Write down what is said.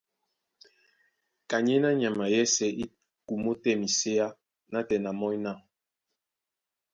Kanyéná nyama yɛ́sɛ̄ í kumó tɛ́ miséá nátɛna ómɔ́ny ná: